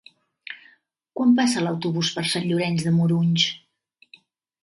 Quan passa l'autobús per Sant Llorenç de Morunys?